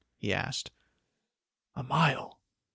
he asked. "A mile."